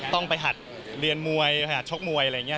ต้องไปหัดเรียนมวยหัดชกมวยอะไรอย่างนี้